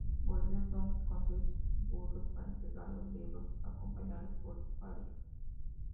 Volvió entonces con seis burros para entregar los libros acompañado por su padre.